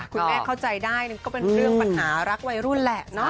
คุณแม่เข้าใจได้ก็เป็นเรื่องปัญหารักวัยรุ่นแหละเนาะ